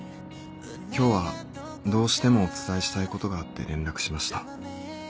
今日はどうしてもお伝えしたいことがあって連絡しました。